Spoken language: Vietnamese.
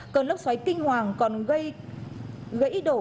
cơn lốc xoáy kinh hoàng còn gây gãy đổ